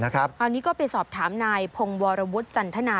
คราวนี้ก็ไปสอบถามนายพงวรวุฒิจันทนา